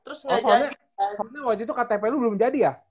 oh soalnya waktu itu ktp lu belum jadi ya